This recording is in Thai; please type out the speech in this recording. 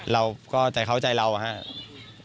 เราก็ใจเข้าใจเราอะครับ